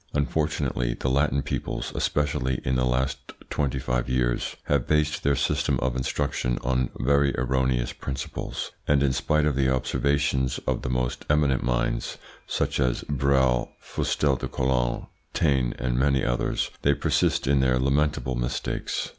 Unfortunately the Latin peoples, especially in the last twenty five years, have based their systems of instruction on very erroneous principles, and in spite of the observations of the most eminent minds, such as Breal, Fustel de Coulanges, Taine, and many others, they persist in their lamentable mistakes.